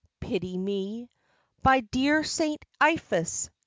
pity me; By dear Saint Iphis!